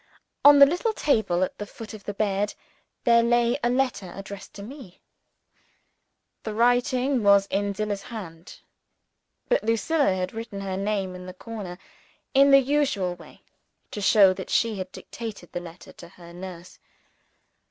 On the little table at the foot of the bed, there lay a letter addressed to me. The writing was in Zillah's hand. But Lucilla had written her name in the corner in the usual way, to show that she had dictated the letter to her nurse.